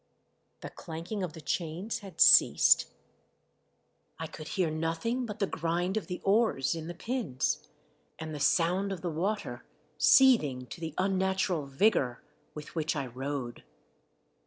The clanking of the chains had ceased. I could hear nothing but the grind of the oars in the pins, and the sound of the water seething to the unnatural vigour with which I rowed.